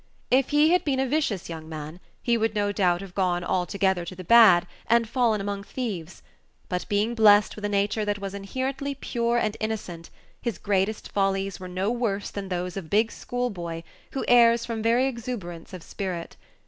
If he had been a vicious young man, he would no doubt have gone altogether to the bad, and fallen among thieves; but, being blessed with a nature that was inherently pure and innocent, his greatest follies were no worse than those of a big school boy who errs from very exuberance of spirit.